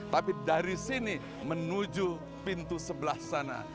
tapi dari sini menuju pintu sebelah sana